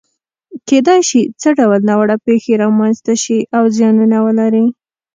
کېدای شي څه ډول ناوړه پېښې رامنځته شي او زیانونه ولري؟